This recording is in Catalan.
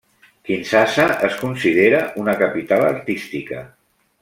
Kinshasa es considera una capital artística.